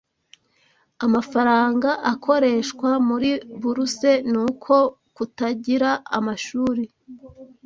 Amafaranga akoreshwa muri buruse ni uko kutagira amashuri